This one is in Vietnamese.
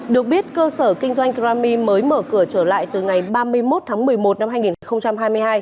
được biết cơ sở kinh doanh krami mới mở cửa trở lại từ ngày ba mươi một tháng một mươi một năm hai nghìn hai mươi hai